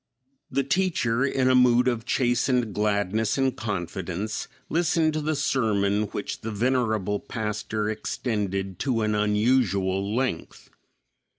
The teacher, in a mood of chastened gladness and confidence, listened to the sermon which the venerable pastor extended to an unusual length.